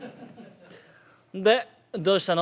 でどうしたの？」。